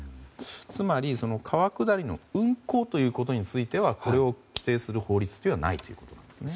つまり、川下りの運航ということについてはこれを規定する法律はないということですね。